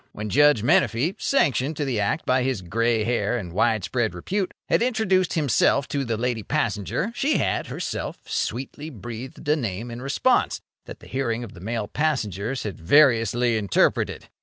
When Judge Menefee— sanctioned to the act by his grey hair and widespread repute—had introduced himself to the lady passenger, she had, herself, sweetly breathed a name, in response, that the hearing of the male passengers had variously interpreted.